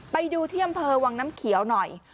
ไปดูที่อำเภอวังน้ำเขียวหน่อย